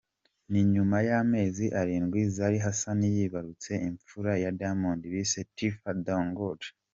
Ni nyuma y’amezi arindwi Zari Hassan yibarutse imfura ya Diamond bise ‘Tiffah Dangote’.